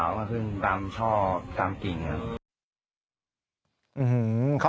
ตัวเขาก็คือตามที่ชอตามกินครับ